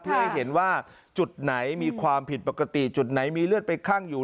เพื่อให้เห็นว่าจุดไหนมีความผิดปกติจุดไหนมีเลือดไปคลั่งอยู่